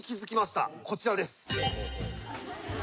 こちらです。